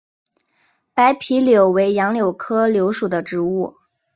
白皮柳为杨柳科柳属的植物。